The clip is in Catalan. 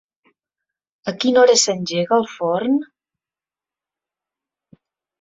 A quina hora s'engega el forn?